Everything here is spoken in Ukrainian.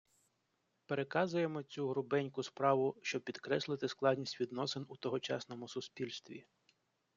Переказуємо цю грубеньку справу, щоб підкреслити складність відносин у тогочасному суспільстві.